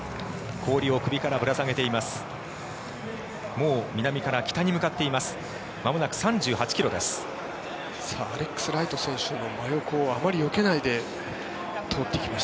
氷を首からぶら下げています。